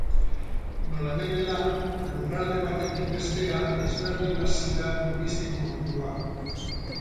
Nolanahi dela, lurralde batetik bestera ezberdin hazi da turisten kopurua.